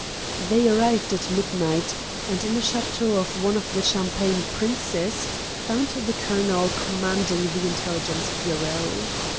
They arrived at midnight, and in a chateau of one of the Champagne princes, found the colonel commanding the Intelligence Bureau.